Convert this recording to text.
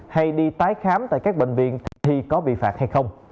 hay đi tái khám tại các bệnh viện khi có bị phạt hay không